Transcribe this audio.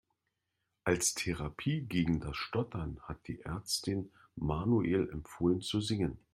Als Therapie gegen das Stottern hat die Ärztin Manuel empfohlen zu singen.